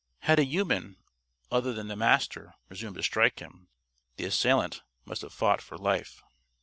Had a human, other than the Master, presumed to strike him, the assailant must have fought for life.